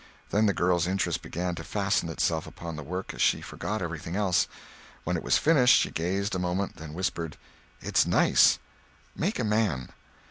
Then the girl's interest began to fasten itself upon the work and she forgot everything else. When it was finished, she gazed a moment, then whispered: "It's nice—make a man."